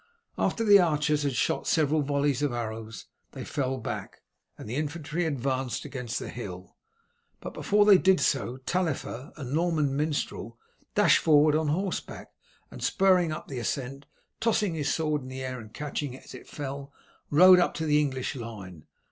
After the archers had shot several volleys of arrows they fell back, and the infantry advanced against the hill; but before they did so Taillifer, a Norman minstrel, dashed forward on horseback, and spurring up the ascent, tossing his sword in the air and catching it as it fell, rode up to the English line.